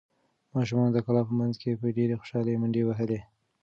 ماشومانو د کلا په منځ کې په ډېرې خوشحالۍ منډې وهلې.